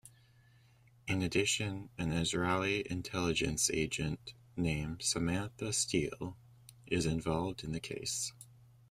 In addition, an Israeli intelligence agent named Samantha Steel is involved in the case.